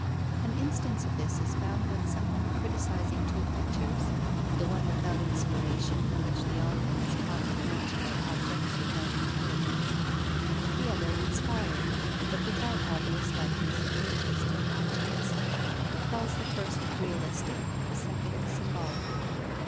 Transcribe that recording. An instance of this is found when someone, criticizing two pictures the one without inspiration, in which the author has copied natural objects without intelligence; the other inspired, but without obvious likeness to existing objects calls the first realistic, the second symbolic.